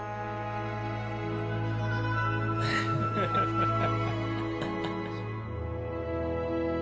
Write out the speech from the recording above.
ハハハハハ。